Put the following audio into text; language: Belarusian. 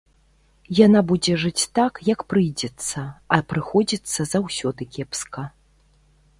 Яна будзе жыць так, як прыйдзецца, а прыходзіцца заўсёды кепска.